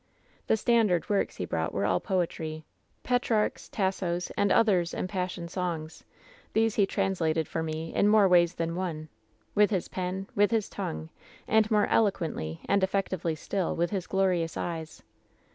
"The ^standard' works he brought were all poetry — Petrarch's, Tasso^s and others' impassioned songs. These he translated for me in more ways than one — with his pen, with his tongue, and more eloquently and effectively still with his glorious eyes.